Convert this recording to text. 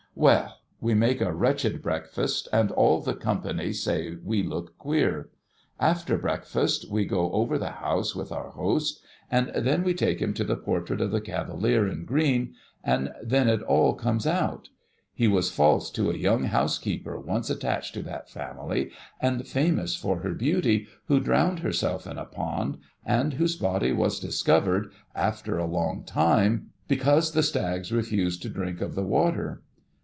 Well ! we make a wretched breakfast, and all the company say we look queer. After breakfast, we go over the house with our host, and then we take him to the portrait of the cavalier in green, and then it all comes out. He was false to a young house keeper once attached to that family, and famous fur her beauty, who drowned herself in a pond, and whose body was discovered, after a long time, because the stags refused to drink of the water.